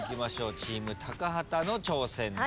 チーム高畑の挑戦です。